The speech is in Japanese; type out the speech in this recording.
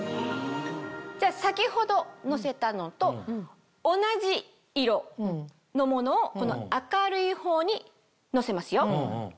じゃあ先ほど乗せたのと同じ色のものをこの明るい方に乗せますよ。